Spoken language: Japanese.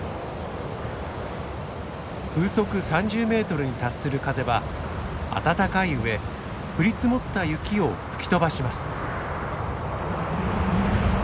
風速３０メートルに達する風は温かいうえ降り積もった雪を吹き飛ばします。